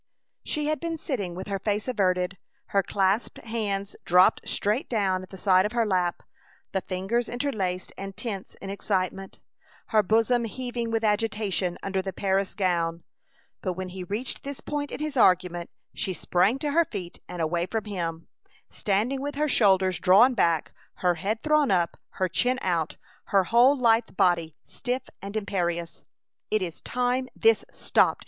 She had been sitting with her face averted, her clasped hands dropped straight down at the side of her lap, the fingers interlaced and tense in excitement; her bosom heaving with agitation under the Paris gown; but when he reached this point in his argument she sprang to her feet and away from him, standing with her shoulders drawn back, her head thrown up, her chin out, her whole lithe body stiff and imperious. "It is time this stopped!"